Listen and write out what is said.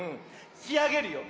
しあげるよ。